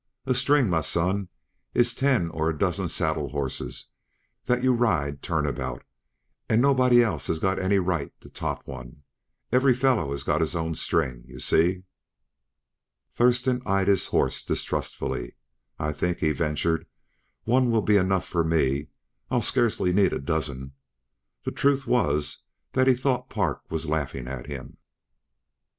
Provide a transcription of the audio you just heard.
A string, m'son, is ten or a dozen saddle horses that yuh ride turn about, and nobody else has got any right to top one; every fellow has got his own string, yuh see." Thurston eyed his horse distrustfully. "I think," he ventured, "one will be enough for me. I'll scarcely need a dozen." The truth was that he thought Park was laughing at him.